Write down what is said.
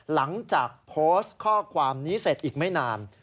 หลังจากโพสต์ข้อความนี้เสร็จอีกไม่นาน